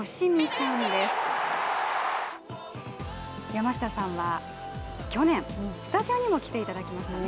山下さんは去年、スタジオにも来ていただきましたね。